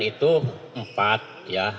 pertanyaan itu empat ya